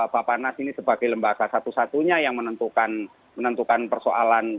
bapak nas ini sebagai lembaga satu satunya yang menentukan persoalan